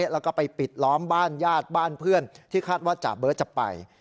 แล้วก็ไปปิดล้อมบ้านญาติบ้านเพื่อนที่คาดว่าจ่าเบิร์ตจะไป